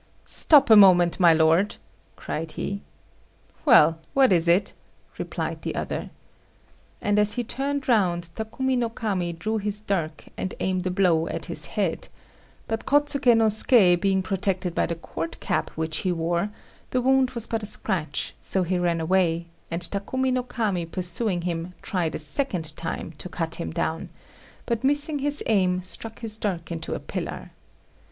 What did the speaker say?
"Stop a moment, my lord," cried he. "Well, what is it?" replied the other. And, as he turned round, Takumi no Kami drew his dirk, and aimed a blow at his head; but Kôtsuké no Suké, being protected by the Court cap which he wore, the wound was but a scratch, so he ran away; and Takumi no Kami, pursuing him, tried a second time to cut him down, but, missing his aim, struck his dirk into a pillar.